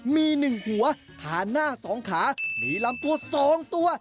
มีหนึ่งหัวหาหน้าสองขามีลำตัวสองตัว